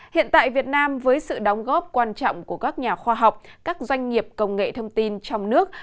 hiện tại việt nam với sự đóng góp quan trọng của các nhà khoa học các doanh nghiệp công nghệ thông tin trong nước